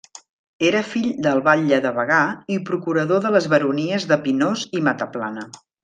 Era fill del batlle de Bagà i procurador de les baronies de Pinós i Mataplana.